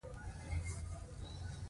هغه بیخي په تیاره کې له پرنټر سره راغی.